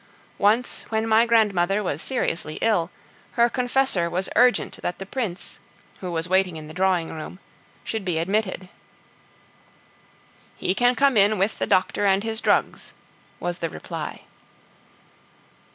Once when my grandmother was seriously ill, her confessor was urgent that the Prince, who was waiting in the drawing room, should be admitted. "He can come in with the doctor and his drugs," was the reply.